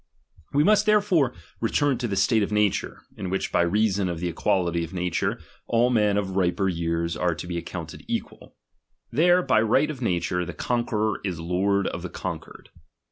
We must therefore return to the state of na p" ture, in which, by reason of the equality of nature, u, all men of riper years are to be accounted equal. i„" There by right of nature the conqueror is lord of the conquered.